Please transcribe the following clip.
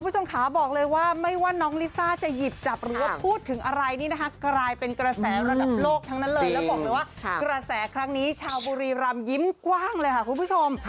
คุณผู้ชมขาบอกเลยว่าไม่ว่าน้องลิซ่าจะหยิบจับหรือว่าพูดถึงอะไรนี่นะคะกลายเป็นกระแสระดับโลกทั้งนั้นเลยแล้วบอกเลยว่ากระแสครั้งนี้ชาวบุรีรำยิ้มกว้างเลยค่ะคุณผู้ชม